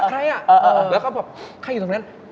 ครับบอกใครอยู่ตรงนั้น